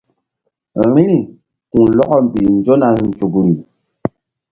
Vbi̧ri ku̧lɔkɔ mbih nzona nzukri.